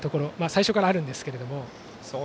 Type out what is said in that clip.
最初からあるんですけども。